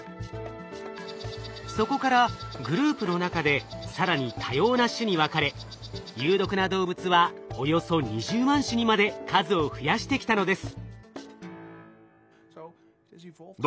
そこからグループの中で更に多様な種に分かれ有毒な動物はおよそ２０万種にまで数を増やしてきたのです。